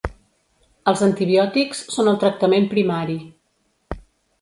Els antibiòtics són el tractament primari.